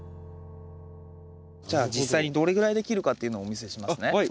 じゃあ実際にどれぐらいで切るかっていうのをお見せしますね。